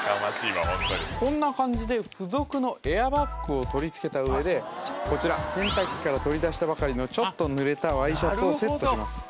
こんな感じで付属のエアバッグを取り付けた上でこちら洗濯機から取り出したばかりのちょっと濡れたワイシャツをセットします